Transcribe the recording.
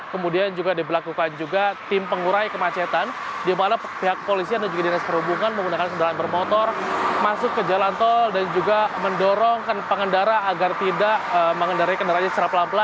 kemudian juga diberlakukan juga tim pengurai kemacetan di mana pihak polisian dan juga dinas perhubungan menggunakan kendaraan bermotor masuk ke jalan tol dan juga mendorong pengendara agar tidak mengendari kendaraannya secara pelan pelan